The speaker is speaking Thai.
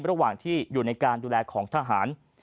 ระหว่างที่อยู่ในการดูแลของทหาร